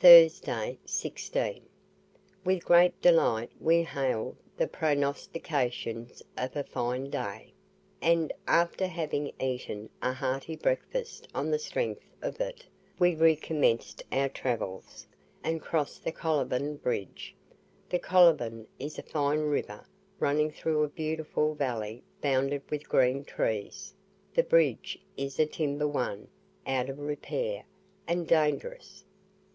THURSDAY 16. With great delight we hailed the prognostications of a fine day, and, after having eaten a hearty breakfast on the strength of it, we recommenced our travels, and crossed the Coliban Bridge. The Coliban is a fine river running through a beautiful valley bounded with green trees; the bridge is a timber one, out of repair, and dangerous.